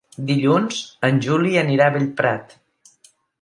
Dilluns en Juli anirà a Bellprat.